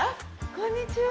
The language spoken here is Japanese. こんにちは。